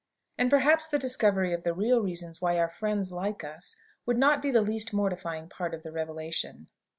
And, perhaps, the discovery of the real reasons why our friends like us, would not be the least mortifying part of the revelation.